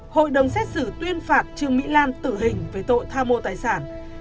hội đồng xét xử tuyên phạt trương mỹ lan tử hình về tội tha mô tài sản